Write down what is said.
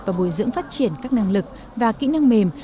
và bồi dưỡng phát triển các năng lực và kỹ năng mềm